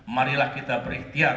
marilah kita berikhtiar